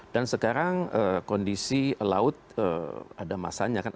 dan sekarang kondisi laut ada masanya kan